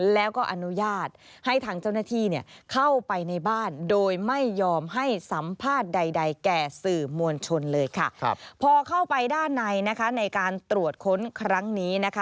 และก็อนุญาตให้ทางเจ้าหน้าที่